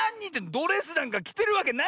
ドレスなんかきてるわけないじゃない！